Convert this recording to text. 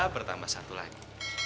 bertambah satu lagi